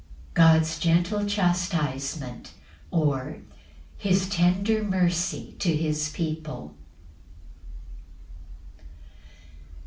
L. M. God's gentle chastisement; or, His tender mercy to his people.